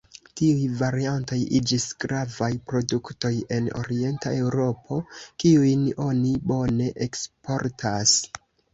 Tiuj variantoj iĝis gravaj produktoj en Orienta Eŭropo kiujn oni bone eksportas.